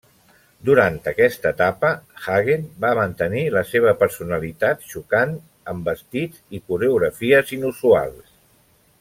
Durant aquesta etapa Hagen va mantenir la seva personalitat xocant amb vestits i coreografies inusuals.